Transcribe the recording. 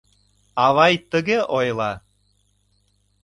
Авай тыге ойла...